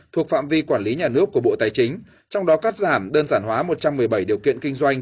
thuộc phạm vi quản lý nhà nước của bộ tài chính trong đó cắt giảm đơn giản hóa một trăm một mươi bảy điều kiện kinh doanh